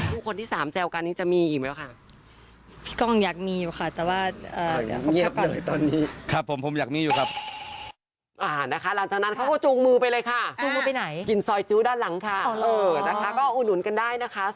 ผู้คนที่สามแจวกันนี้จะมีอีกไหมคะ